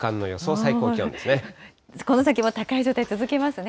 この先も高い状態続きますね。